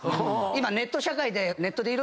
今ネット社会で。